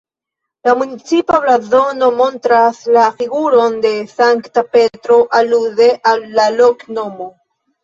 La municipa blazono montras la figuron de Sankta Petro alude al la loknomo.